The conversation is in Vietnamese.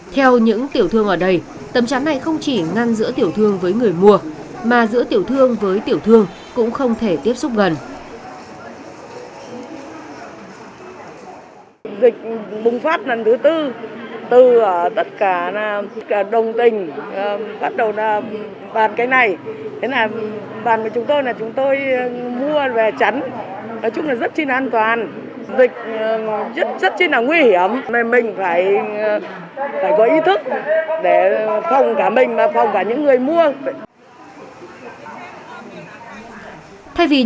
theo những tiểu thương ở đây tấm chắn này không chỉ ngăn giữa tiểu thương với người mua mà giữa tiểu thương với tiểu thương cũng không thể tiếp xúc gần